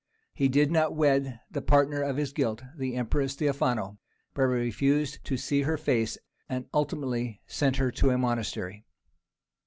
He did not wed the partner of his guilt, the empress Theophano, but refused to see her face, and ultimately sent her to a monastery.